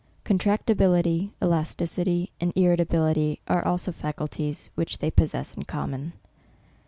Contractibility, elas ticity, and irritability, are also faculties which they possess in common.